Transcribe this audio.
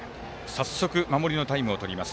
早速、守りのタイムをとります。